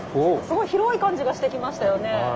すごい広い感じがしてきましたよね。